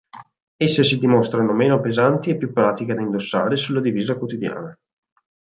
Esse si dimostrano meno pesanti e più pratiche da indossare sulla divisa quotidiana.